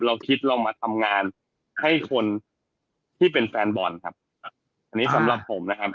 เราคิดเรามาทำงานให้คนที่เป็นแฟนบอลครับอันนี้สำหรับผมนะครับ